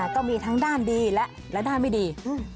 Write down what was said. ก็มีทั้งด้านดีและด้านไม่ดี